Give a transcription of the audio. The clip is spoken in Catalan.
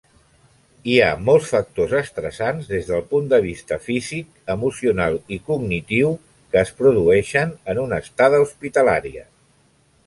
Hi ha molts factors estressants des del punt de vista físic, emocional i cognitiu que es produeixen en una estada hospitalària.